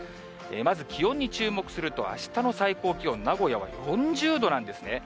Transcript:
まず気温に注目すると、あしたの最高気温、名古屋は４０度なんですね。